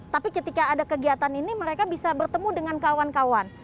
tapi ketika ada kegiatan ini mereka bisa bertemu dengan kawan kawan